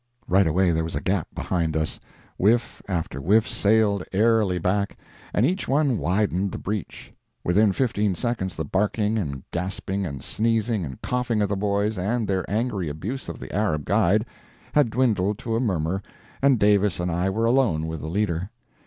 Right away there was a gap behind us. Whiff after whiff sailed airily back, and each one widened the breach. Within fifteen seconds the barking, and gasping, and sneezing, and coughing of the boys, and their angry abuse of the Arab guide, had dwindled to a murmur, and Davis and I were alone with the leader.